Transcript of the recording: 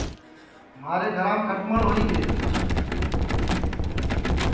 مھارے گھرام کھٹݪ ہوئی گے